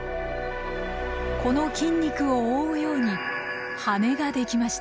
この筋肉を覆うように羽ができました。